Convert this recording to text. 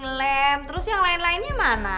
lem terus yang lain lainnya mana